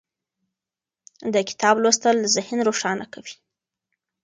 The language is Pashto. د کتاب لوستل ذهن روښانه کوي.